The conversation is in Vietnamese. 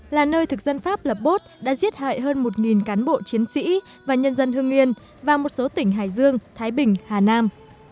là nơi thực dân pháp lập bốt đã giết hại hơn một cán bộ chiến sĩ và nhân dân hương nghiên và một số tỉnh hải dương thái bình hà nam